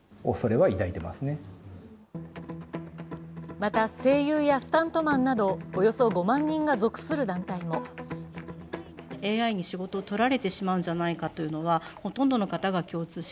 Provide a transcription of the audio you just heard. また、声優やスタントマンなどおよそ５万人が属する団体もＡＩの進化に広がる不安。